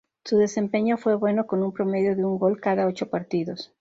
Su desempeño fue bueno, con un promedio de un gol cada ocho partidos.